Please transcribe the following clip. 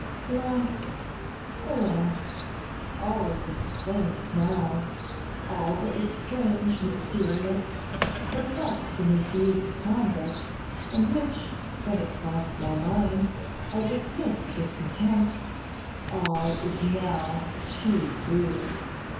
Alas! alas! all is explained now. All that was strange, mysterious, perplexed in his views and conduct, and which, when it crossed my mind, I dismissed with contempt, all is now too clear.